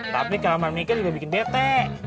tapi kalau mau mikir udah bikin bete